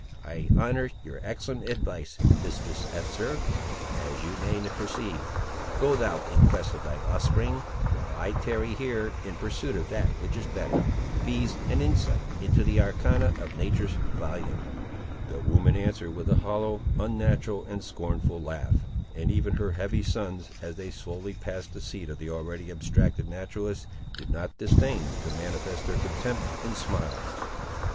"I honour your excellent advice, Mistress Esther, as you may perceive. Go thou in quest of thy offspring; while I tarry here, in pursuit of that which is better; viz. an insight into the arcana of Nature's volume." The woman answered with a hollow, unnatural, and scornful laugh, and even her heavy sons, as they slowly passed the seat of the already abstracted naturalist, did not disdain to manifest their contempt in smiles.